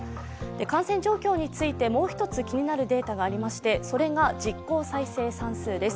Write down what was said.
感染状況についてもう一つ気になるデータがありまして、実効再生産数です。